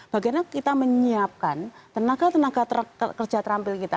bagaimana kita menyiapkan tenaga tenaga kerja terampil kita